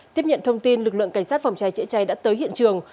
thông tin lực lượng cảnh sát phòng cháy chữa cháy đã tới hiện trường